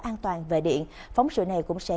an toàn về điện phóng sự này cũng sẽ